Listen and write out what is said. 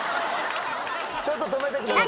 ちょっと止めてください